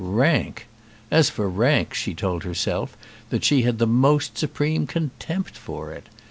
Rank! As for rank, she told herself that she had the most supreme contempt for it.